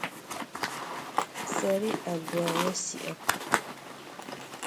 Seri 'eguao si'ep.